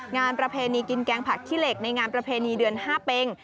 ประเพณีกินแกงผักขี้เหล็กในงานประเพณีเดือน๕เป็ง